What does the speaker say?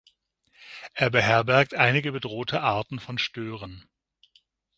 Er beherbergt einige bedrohte Arten von Stören.